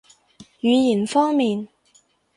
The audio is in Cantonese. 語言方面